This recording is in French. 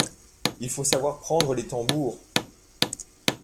Il faut savoir prendre les tambours !…